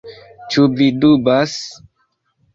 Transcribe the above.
Ĉu vi dubas?